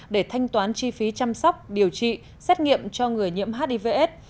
để thanh toán chi phí chăm sóc điều trị xét nghiệm cho người nhiễm hiv aids